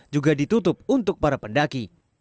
juga ditutup untuk para pendaki